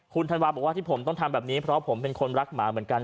คุณธันวาบอกว่าที่ผมต้องทำแบบนี้เพราะผมเป็นคนรักหมาเหมือนกัน